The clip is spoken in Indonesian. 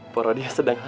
porodya sedang hamil